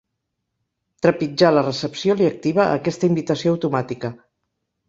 Trepitjar la recepció li activa aquesta invitació automàtica.